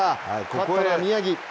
勝ったのは宮城。